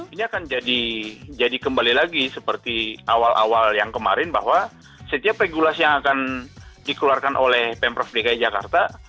ini akan jadi kembali lagi seperti awal awal yang kemarin bahwa setiap regulasi yang akan dikeluarkan oleh pemprov dki jakarta